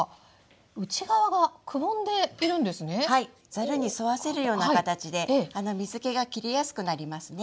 ざるに沿わせるような形で水けが切りやすくなりますね。